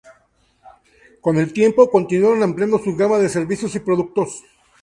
Con el tiempo, continuaron ampliando su gama de servicios y productos.